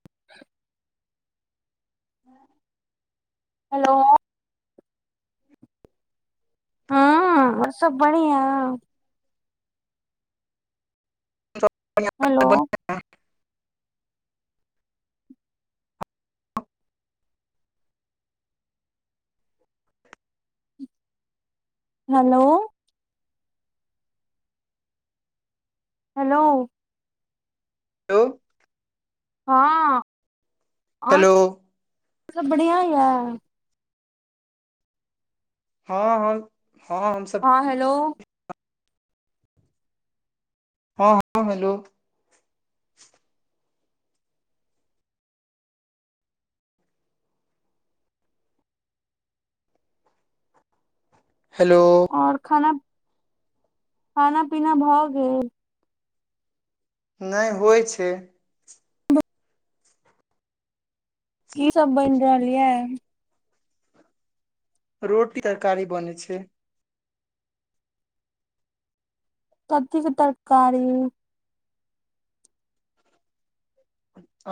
[inaudible] [inaudible] Hello. हां, और सब बढ़िआं। Hello [unintelligible] hello. हेलो। हेलो। हां। हेलो। और सब बढ़िआं ये। हँ हँ हँ हमसभ हँ हेलो ह हां हलो। हेलो। और खाना, खाना पीना भऽ गेल। नै होइ छै। कि सब बैन रहल ये। रोटी तरकारी बनै छै। कथीके तरकारी।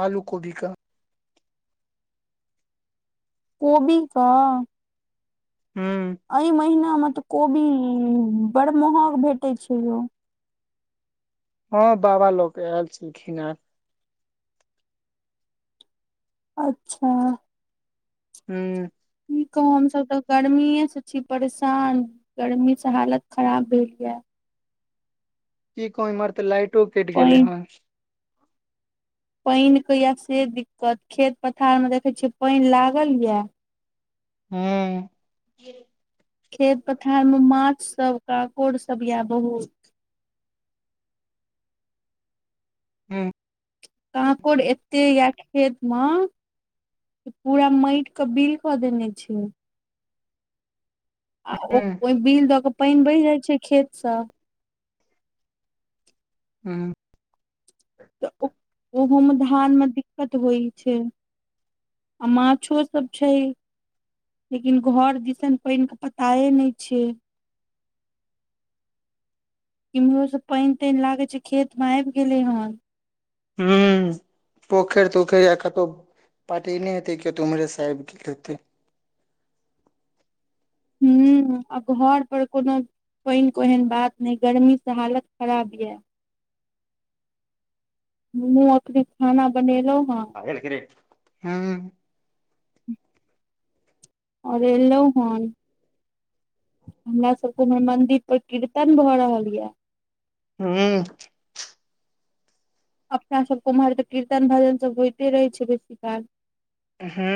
आलू कोबी के। कोबी के। हू। अय महिनामे त कोबी बड़ महग भेटै छैय यौ। हाँ बाबा लऽ क आयल छलखिन हैं। अच्छा। हू। कि कहू हमसब त गर्मीेये से छी परेशान। गरमी से हालत खराब भेल ये। कि कहू इम्हर त लाइटो कैट पानि गेलै हन। पाइन के ये से दिक्कत खेत पथारमे देखै छियै पाइन लागल ये। हू। खेत पथारमे माछ सब काकुड़ सब ये बहुत। हूँ। काकोड़ एते या खेत म। पुरा माइट क बिल क देने छैय। आ ओ हूं ओहि बिल दऽ क पाइन बहि जाइ छैय खेत स। हू। त ओ ओहोमे धानमे दिक्कत होइ छैय। आ माछो सब छैय लेकिन घर दिसन पाइनके पताए नै छैय किम्हरो स पाइन- ताइन लागै छैय खेतमे आइब गेलै हन। हू पोखैर तोखैर ये केतौ पटेने हेतै किओ त उम्हरे से आइब गेल हेतै। हू आ घर पर कोनो-' पाइन कोइ एहेन बात नै गर्मी से हालत खराब या। हमहु अखने खाना बनेलौ हां [unintelligible] हँ और एलौ हन। हमरा सबके उमहर मंदिर पर कीर्तन भ रहल ये। हू। अपना सबके उम्हर त कीर्तन भजन सब होइते रहै छैय बेसी काल। हू।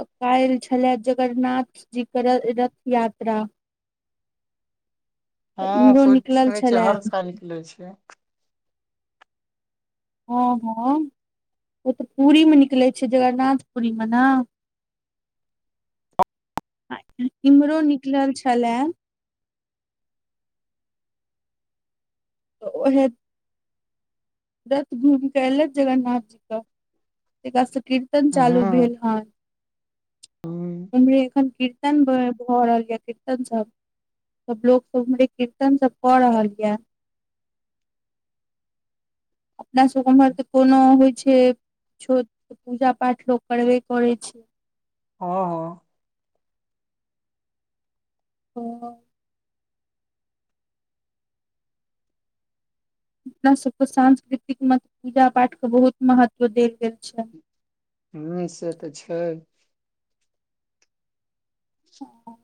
त काइल छलए जगरनाथ जी के र- रथ यात्रा। हा तऽ इम्हरो सोइच निकलल सुनै छियै छले हर साल निकले छैय। हं-हं ओ त पुरीमे निकलै छैय जगरनाथपुरीमे न। इम्हरो निकलल छलए। ओहे रथ घुम के एलैथि जगन्नाथ जी क तेका स कीर्तन हँ चालू हँ भेल हन। ओम्हरे एखन कीर्तन भ भ रहल य किर् [unintelligible] सब लोग सब त ओम्हरे कीर्तन सब क रहल ये। अपना सब ओम्हर त कोनो होइ छैय छोट पूजा पाठ लोक करबे करै छैय। हँ- हँ। ओ। अपना सबके सांस्कृतिक म पूजा पाठके बहुत महत्व देल गेल छैय। हुं से त छैय। ह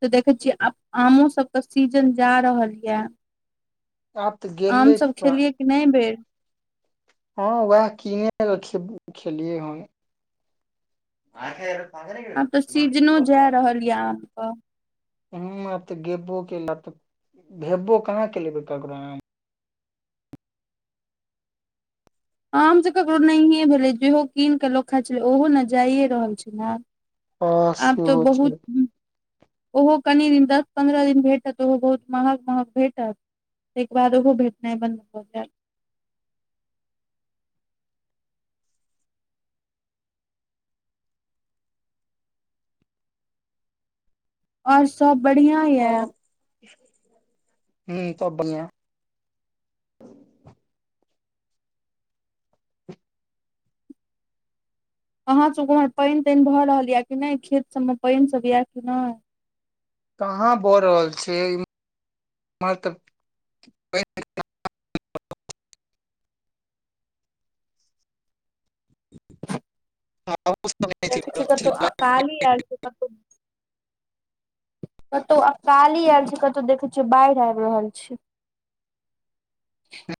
तऽ देखे छीयै आब आमो सब के सीजन जा रहल ये आब तऽ आम गेलै सब पूरा खेलिय कि नहि ऐ बेर हँ वएह कीने खबै खेलियै हन आखिर आब तऽ सीजनो जाय रहल ये आम क - - हु आब तऽ गेबबो केलेथ भेबो कहां केले ऐकटा ककरोम आम त ककरो नहिए भेलै जेहो कीन कऽ लोक खा छलै ओहो ने जाइए रहल छैई ने आब- - हँ आब तो सेहो बहुत छै ऊ ओहो कनि दिन तक दस पन्द्रह दिन भेटत ओहो बहुत महग -महग भेटत तके बाद ओहो भेटनाइ बन्द भऽ जैत और सब बढ़िया ओ हु तब बढ़िआं अहाँ सबके उम्हर पेईन तेन भऽ रहल यए कि नेई खेत सबमे पेईन सब यए कि नेई कहाँ बऽ रहल छैई ईम्हर तऽ आ देखें छिए कतो अकाली ऐल छैई कतो कतौ अकाली आयल छै, कतहु देखे छियै बाढ़ि आबि रहल छै। हँ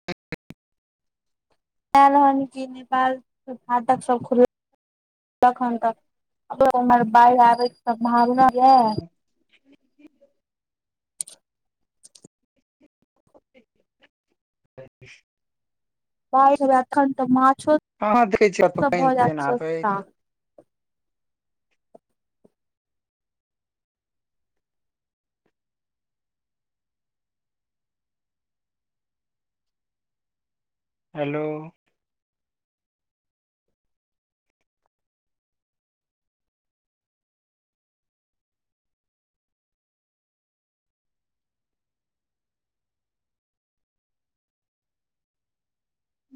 इल हन कि नेपाल के फाटक सब खुल तखन तक फेरों बाढ़ि आबयके सम्भावना यऽ [inaudible] बाहिर ऐला एखन तऽ मछो कहँ। देखै छिय पेईन- तेईन आबैत हेलो- -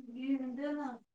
खिर दियो न- -